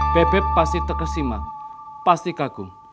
bebek pasti terkesimak pasti kagum